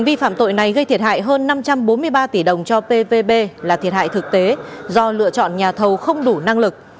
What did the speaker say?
vi phạm tội này gây thiệt hại hơn năm trăm bốn mươi ba tỷ đồng cho pvb là thiệt hại thực tế do lựa chọn nhà thầu không đủ năng lực